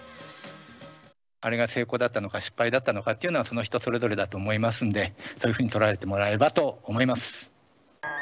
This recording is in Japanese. あれが成功だったのか、失敗だったのかっていうのは、その人それぞれだと思いますんで、そういうふうに捉えてもらえればと思います。